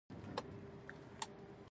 ګل د رنګونو نړۍ ده.